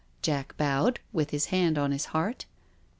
Jack bowed, with his hand on his heart.